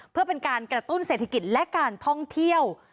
เพื่อเป็นการกระตุ้นเศรษฐกิจและการท่องเที่ยว